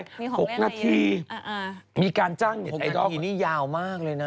มีหกนาทีมีการจ้างไอดอลหกนาทีนี่ยาวมากเลยนะ